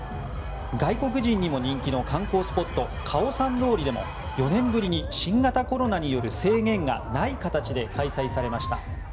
外国人にも人気の観光スポット、カオサン通りでも４年ぶりに新型コロナによる制限がない形で開催されました。